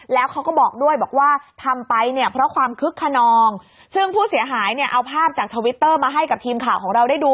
แล้วเขาก็บอกด้วยบอกว่าทำไปเนี่ยเพราะความคึกขนองซึ่งผู้เสียหายเนี่ยเอาภาพจากทวิตเตอร์มาให้กับทีมข่าวของเราได้ดู